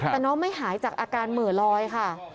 แต่น้องไม่หายจากอาการเหมือลอยค่ะ